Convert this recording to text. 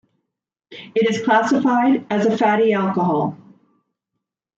It is classified as a fatty alcohol.